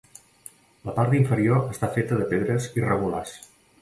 La part inferior està feta de pedres irregulars.